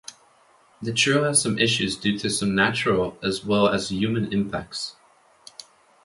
The trail has some issues due to some natural as well as human impacts.